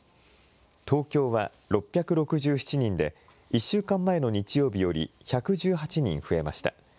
東京は６６７人で、１週間前の日曜日より１１８人増えました。